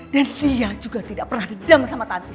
dan dia juga tidak pernah dedam sama tanti